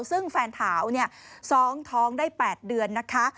ซึ่งแฟนเถาซ้องท้องได้๘เดือนนะคะ